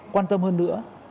quan tâm hơn nữa